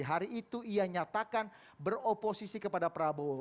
hari itu ia nyatakan beroposisi kepada prabowo